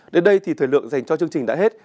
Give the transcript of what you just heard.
đến đây thì thời lượng dành cho chương trình đã hết